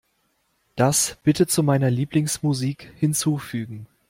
Das bitte zu meiner Lieblingsmusik hinzufügen.